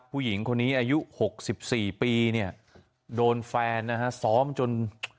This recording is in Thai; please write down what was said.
ผู้หญิงคนนี้อายุ๖๔ปีเนี่ยโดนแฟนนะฮะซ้อมจน